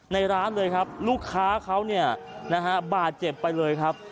ร้านเลยครับลูกค้าเขาเนี่ยนะฮะบาดเจ็บไปเลยครับ